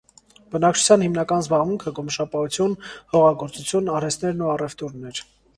Բնակչության հիմնական զբաղմունքը գոմշապահություն, հողագործություն, արհեստներն ու առևտուրն էր։